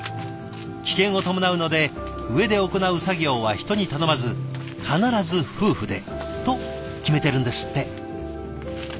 危険を伴うので上で行う作業は人に頼まず必ず夫婦でと決めてるんですって。